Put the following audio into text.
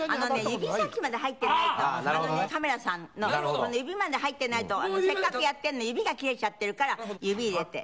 指先まで入ってないとカメラさんの指まで入ってないとせっかくやってるのに指が切れちゃってるから指入れて。